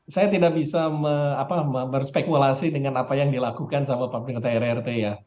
saya tidak bisa berspekulasi dengan apa yang dilakukan sama pemerintah rrt ya